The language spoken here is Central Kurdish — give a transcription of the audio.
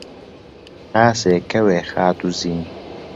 خاسێ، کەوێ، خاتووزین